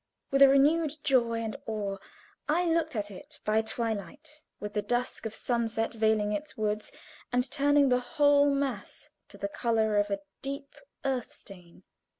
With a renewed joy and awe I looked at it by twilight, with the dusk of sunset veiling its woods and turning the whole mass to the color of a deep earth stain.